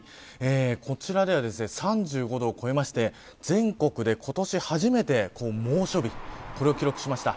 こちらでは３５度を超えまして全国で今年、初めて猛暑日、これを記録しました。